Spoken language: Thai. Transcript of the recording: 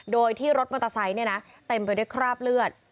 โดยที่รถมอเตอร์ไซค์เต็มไปด้วยคราบเลือด